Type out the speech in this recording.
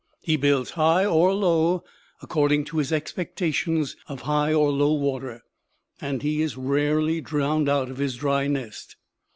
He builds high or low, according to his expectations of high or low water; and he is rarely drowned out of his dry nest.